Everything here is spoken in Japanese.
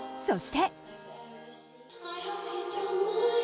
そして。